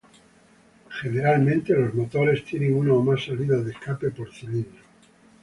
Generalmente, los motores tienen una o más salidas de escape por cilindro.